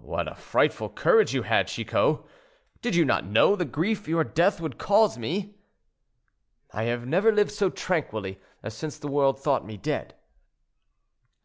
"What a frightful courage you had, Chicot; did you not know the grief your death would cause me?" "I have never lived so tranquilly as since the world thought me dead."